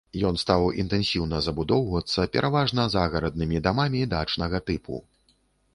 Ён стаў інтэнсіўна забудоўвацца, пераважна загараднымі дамамі дачнага тыпу.